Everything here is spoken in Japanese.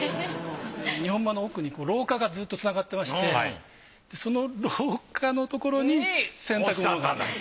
日本間の奥に廊下がずっとつながってましてその廊下のところに洗濯物があったんです。